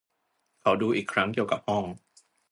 เขาดูอีกครั้งเกี่ยวกับห้อง